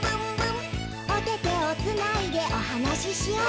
「おててをつないでおはなししよう」